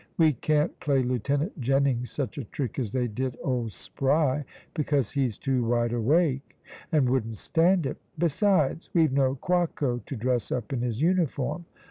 We can't play Lieutenant Jennings such a trick as they did old Spry, because he's too wide awake and wouldn't stand it; besides, we've no Quaco to dress up in his uniform.